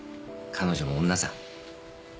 彼女も女さ。